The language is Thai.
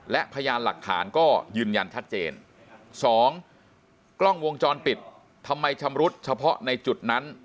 และพยานหลักฐานก็ยืนยันชัดเจนสองกล้องวงจรปิดทำไมชำรุดเฉพาะในจุดนั้น